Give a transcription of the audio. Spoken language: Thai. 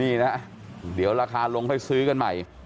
นี่นะเดี๋ยวราคาลงค่อยซื้อกันใหม่